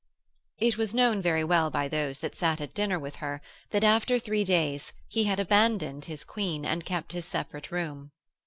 It was known very well by those that sat at dinner with her that, after three days, he had abandoned his Queen and kept his separate room.